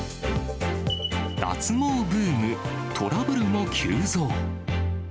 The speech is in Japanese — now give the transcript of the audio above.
脱毛ブーム、トラブルも急増。